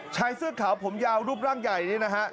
ชายเสื้อขาวผมยาวรูปร่างใหญ่นี่นะฮะ